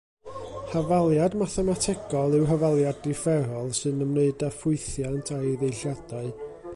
Hafaliad mathemategol yw hafaliad differol, sy'n ymwneud â ffwythiant a'i ddeilliadau.